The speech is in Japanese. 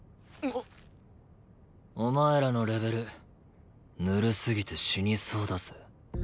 お前らのレベルぬるすぎて死にそうだぜ。